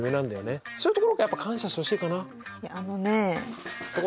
そういうところやっぱ感謝してほしいかな。